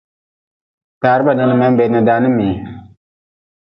Taa reba ni, ni menbee ni danimii.